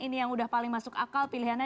ini yang udah paling masuk akal pilihannya